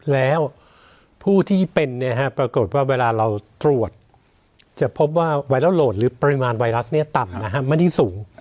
แล้วผู้ที่เป็นปรากฏว่าเวลาเราตรวจจะพบว่าไวรัลโหลดหรือปริมาณไวรัสต่ำไม่ได้สูง